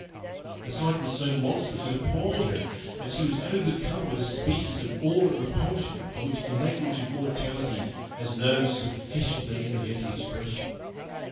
The sight was so monstrous it appalled her; and she was overcome with a species of awe and repulsion, for which the language of mortality has no sufficiently energetic expression.